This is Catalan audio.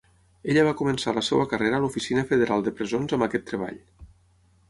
Ella va començar la seva carrera a l'Oficina Federal de Presons amb aquest treball.